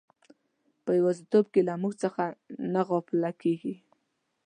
په یوازیتوب کې له موږ څخه نه غافله کیږي.